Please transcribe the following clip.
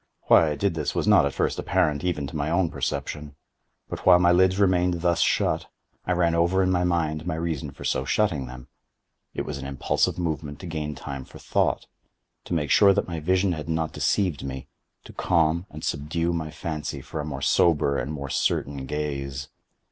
Why I did this was not at first apparent even to my own perception. But while my lids remained thus shut, I ran over in my mind my reason for so shutting them. It was an impulsive movement to gain time for thought—to make sure that my vision had not deceived me—to calm and subdue my fancy for a more sober and more certain gaze.